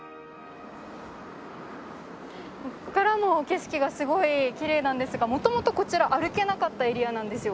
ここからの景色がすごいきれいなんですが元々こちら歩けなかったエリアなんですよ。